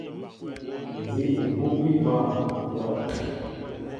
Nzi obupi bwȃm, o dya okɔlɔ.